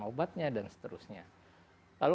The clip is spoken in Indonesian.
obatnya dan seterusnya lalu